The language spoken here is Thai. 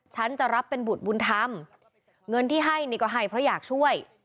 ฉันจะรับเป็นบุตรบุญธรรมเงินที่ให้นี่ก็ให้เพราะอยากช่วย